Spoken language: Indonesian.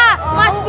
mas mulai jinnah